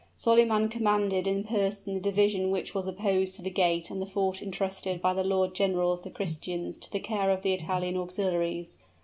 Solyman commanded in person the division which was opposed to the gate and the fort intrusted by the lord general of the Christians to the care of the Italian auxiliaries.